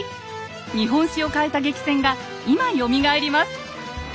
日本史を変えた激戦が今よみがえります。